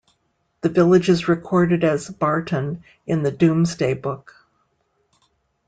The village is recorded as "Bartun" in the "Domesday Book".